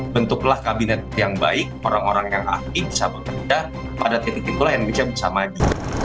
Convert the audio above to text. bentuklah kabinet yang baik orang orang yang aktif bisa bekerja pada titik itulah indonesia bisa maju